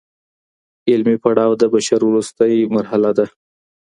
علمي پړاو د بشر وروستۍ مرحله ده.